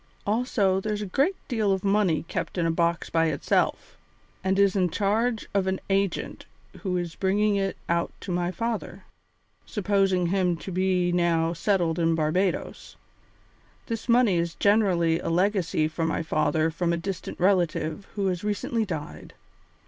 Also, there's a great deal of money kept in a box by itself, and is in charge of an agent who is bringing it out to my father, supposing him to be now settled in Barbadoes. This money is generally a legacy for my father from a distant relative who has recently died.